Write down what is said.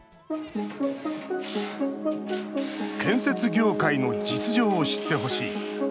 建設業界の実情を知ってほしい。